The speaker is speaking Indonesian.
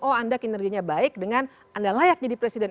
oh anda kinerjanya baik dengan anda layak jadi presiden